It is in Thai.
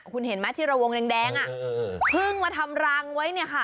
คุณเห็นไหมที่ระวงแดงเพิ่งมาทำรังไว้เนี่ยค่ะ